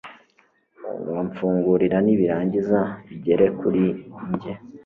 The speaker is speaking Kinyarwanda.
Uramfungurira nibirangiza bigere kuri njye.